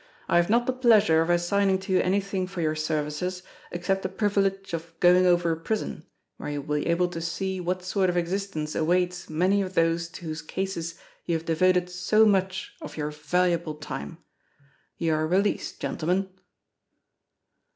I have not the pleasure of assigning to you anything for your services except the privilege of going over a prison, where you will be able to see what sort of existence awaits many of those to whose cases you have devoted so much of your valuable time. You are released, gentlemen."